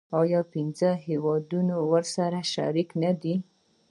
آیا پنځه هیوادونه ورسره شریک نه دي؟